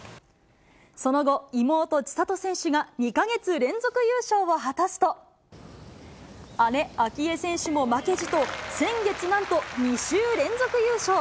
その後、妹、千怜選手が２か月連続優勝を果たすと、姉、明愛選手も負けじと、先月、なんと２週連続優勝。